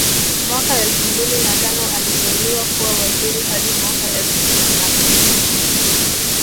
Mwaka elfu mbili na tano aliteuliwa kuwa waziri hadi mwaka elfu mbili na kumi